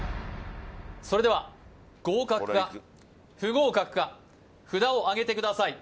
それでは合格か不合格か札をあげてください